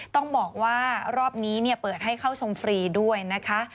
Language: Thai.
ต้องบอกว่ารอบนี้เปิดให้เข้าชมฟรีด้วยนะคะ